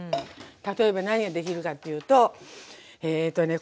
例えば何ができるかっていうとえとね